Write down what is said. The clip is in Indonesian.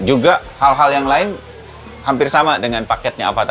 juga hal hal yang lain hampir sama dengan paketnya apa tadi